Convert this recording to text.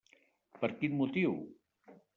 Per quin motiu?